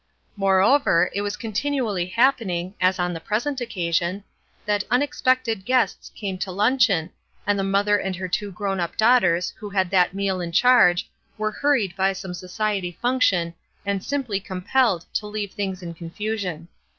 Moreover, it was continually happening, as on the present occasion, that unexpected guests came to luncheon, and the mother and her two grown up daughters who had that meal in charge were hurried by some society function and "simply compelled" to leave things in confusion.